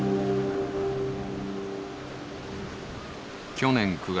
去年９月。